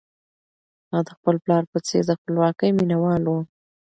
هغه د خپل پلار په څېر د خپلواکۍ مینه وال و.